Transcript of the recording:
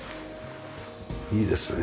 いいですね。